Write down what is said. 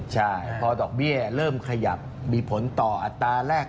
ใช่พอดอกเบี้ยเริ่มขยับมีผลต่ออัตราแรก